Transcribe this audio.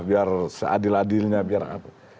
biar seadil adilnya biar apa